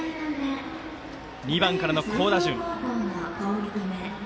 ２番からの好打順。